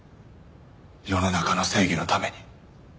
世の中の正義のために。